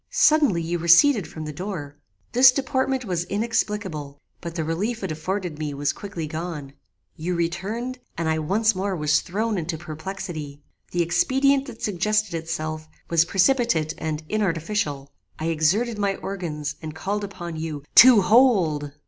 "Suddenly you receded from the door. This deportment was inexplicable, but the relief it afforded me was quickly gone. You returned, and I once more was thrown into perplexity. The expedient that suggested itself was precipitate and inartificial. I exerted my organs and called upon you TO HOLD.